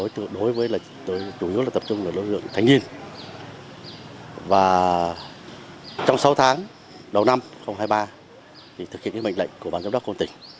trong sáu tháng đầu năm hai nghìn hai mươi ba thực hiện mệnh lệnh của bản giám đốc công tỉnh